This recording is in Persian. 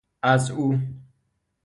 از او